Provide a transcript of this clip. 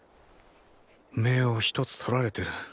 目を一つ取られてる。